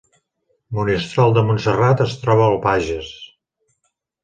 Monistrol de Montserrat es troba al Bages